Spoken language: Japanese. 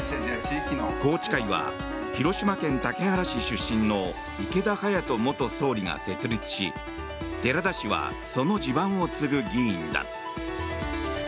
宏池会は広島県竹原市出身の池田勇人元総理が設立し寺田氏はその地盤を継ぐ議員だ。